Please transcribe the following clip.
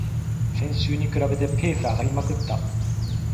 先週に比べてペース上がりまくった